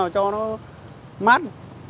cho nó mát